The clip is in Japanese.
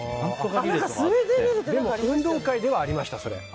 でも運動会ではありましたそれ。